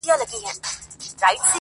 لا یې تازه دي د ښاخونو سیوري-